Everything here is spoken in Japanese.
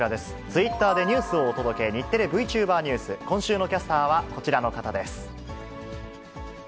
ツイッターでニュースをお届け、日テレＶチューバーニュース、今週のキャスターはこちらの方です。